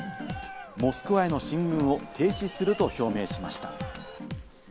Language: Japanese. モスクワへの進軍を停止すると表明しました。